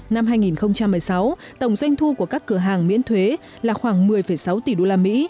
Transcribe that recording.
năm hai nghìn một mươi sáu tổng doanh thu của các cửa hàng miễn thuế là khoảng một mươi sáu tỷ đô la mỹ